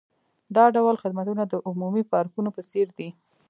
دا ډول خدمتونه د عمومي پارکونو په څیر دي